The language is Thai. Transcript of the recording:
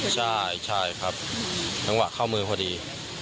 ใช่ครับจังหวะเข้ามือพอดี